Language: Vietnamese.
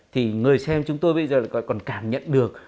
thì người xem chúng tôi bây giờ còn cảm nhận được